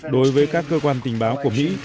đối với các cơ quan tình báo của mỹ